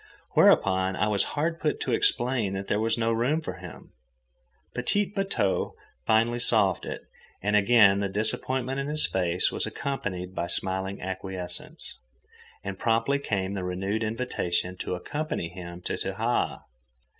Whereupon I was hard put to explain that there was no room for him. "Petit bateau" finally solved it, and again the disappointment in his face was accompanied by smiling acquiescence, and promptly came the renewed invitation to accompany him to Tahaa.